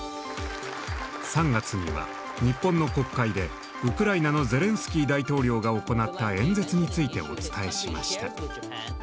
３月には日本の国会でウクライナのゼレンスキー大統領が行った演説についてお伝えしました。